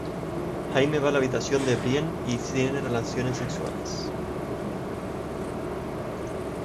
Jaime va a la habitación de Brienne y tienen relaciones sexuales.